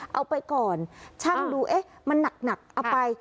เอาไปก่อนชั่งดูมันหนักเอาไป